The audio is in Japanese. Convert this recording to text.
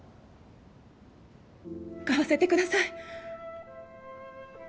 買わせてください。